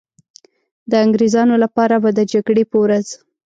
د انګریزانو لپاره به د جګړې په ورځ.